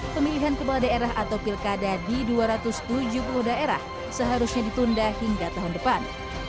pemilihan kepala daerah atau pilkada di dua ratus tujuh puluh daerah seharusnya ditunda hingga tahun depan